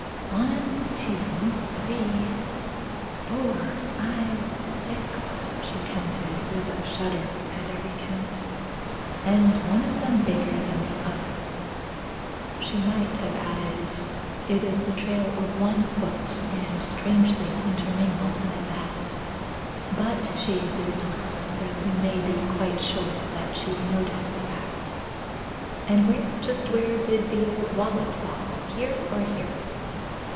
"One, two, three, four, five, six," she counted, with a shudder at every count. "And one of them bigger than the others." She might have added, "It is the trail of one foot, and strangely, intermingled at that," but she did not, though we may be quite sure that she noted the fact. "And where, just where did the old wallet fall? Here? or here?"